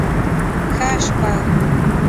ښه شپه